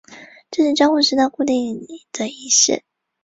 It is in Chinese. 泉水站为侧式站台高架站。